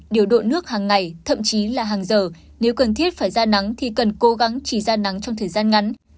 điều độ nước hàng ngày thậm chí là hàng giờ nếu cần thiết phải ra nắng thì cần cố gắng chỉ ra nắng trong thời gian ngắn